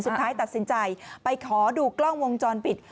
สุดท้ายตัดสินใจไปขอดูกล้องวงจรปิด